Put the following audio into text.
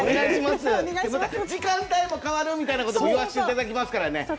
時間帯も変わるみたいなことも言わせていただきますからね。